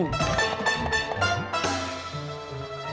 wali kota bandung